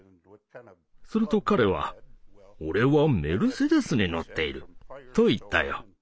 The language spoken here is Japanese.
すると彼は「俺はメルセデスに乗っている」と言ったよ。